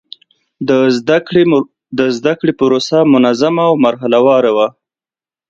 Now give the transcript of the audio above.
د زده کړې پروسه منظم او مرحله وار وه.